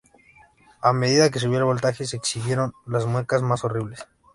A medida que subía el voltaje, "se exhibieron las muecas más horribles.